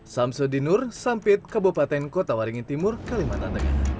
samso dinur sampit kabupaten kota waringin timur kalimantan